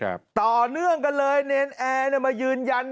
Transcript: พระอาจารย์ออสบอกว่าอาการของคุณแป๋วผู้เสียหายคนนี้อาจจะเกิดจากหลายสิ่งประกอบกัน